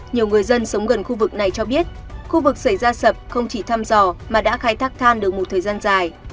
nhiều người dân sống gần khu vực này cho biết khu vực xảy ra sập không chỉ thăm dò mà đã khai thác than được một thời gian dài